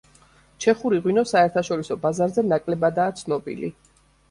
ჩეხური ღვინო საერთაშორისო ბაზარზე ნაკლებადაა ცნობილი.